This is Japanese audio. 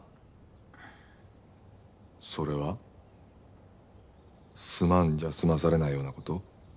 それは「すまん」じゃ済まされないような事？